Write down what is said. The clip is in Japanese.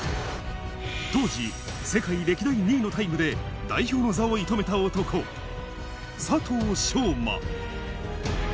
当時、世界歴代２位のタイムで代表の座を射止めた男、佐藤翔馬。